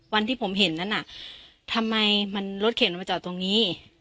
วันที่ผมเห็นนั้นน่ะทำไมมันรถเข็นมันมาจอดตรงนี้